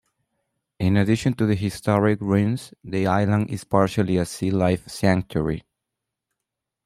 In addition to the historic ruins, the island is partially a sealife sanctuary.